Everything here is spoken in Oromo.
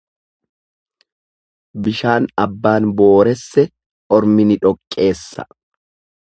Bishaan abbaan booresse ormi ni dhoqqeessa.